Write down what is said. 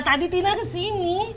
tadi tina kesini